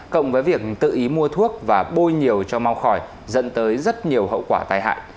cộng với việc tự ý mua thuốc và bôi nhiều cho mau khỏi dẫn tới rất nhiều hậu quả tai hại